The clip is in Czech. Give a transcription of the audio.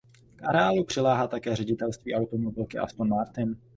K areálu přiléhá také ředitelství automobilky Aston Martin.